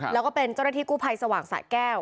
แล้วก็เป็นเจ้าหน้าที่กู้ภัยสว่างสะแก้ว